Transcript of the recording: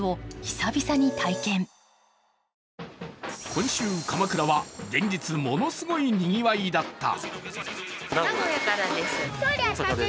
今週、鎌倉は連日ものすごいにぎわいだった。